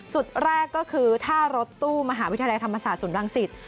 จุดแรกก็คือท่ารถตู้มหาวิทยาลัยธรรมศาสตร์ศูนย์รังสิต